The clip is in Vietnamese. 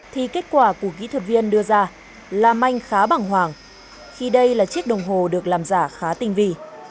thì kết quả của kỹ thuật viên đưa ra là manh khá bằng hoàng khi đây là chiếc đồng hồ được làm giả khá tinh vị